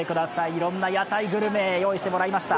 いろんな屋台グルメ、用意してもらいました。